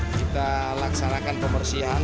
kita laksanakan pembersihan